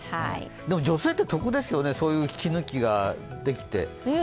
でも女性って特ですよね、そういう着脱ぎができて。